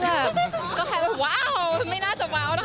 เขาก็ชอบเขาแบบว้าวไม่น่าจะว้าว